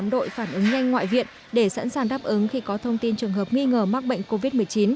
tám đội phản ứng nhanh ngoại viện để sẵn sàng đáp ứng khi có thông tin trường hợp nghi ngờ mắc bệnh covid một mươi chín